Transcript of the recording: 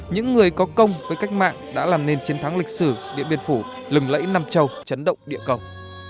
những người có công với cách mạng đã làm nên chiến thắng lịch sử điện biên phủ lừng lẫy nam châu chấn động địa cầu